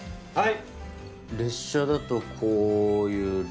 はい。